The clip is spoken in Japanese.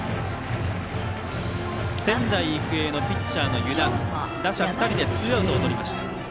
仙台育英のピッチャーの湯田打者２人でツーアウトをとりました。